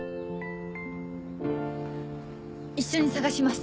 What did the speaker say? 一緒に捜します。